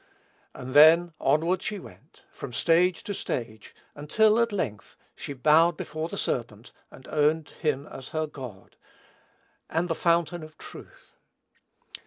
And then, onward she went, from stage to stage, until, at length, she bowed before the serpent, and owned him as her god, and the fountain of truth.